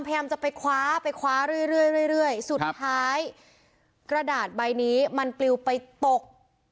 พยายามจะไปคว้าไปคว้าเรื่อยเรื่อยสุดท้ายกระดาษใบนี้มันปลิวไปตก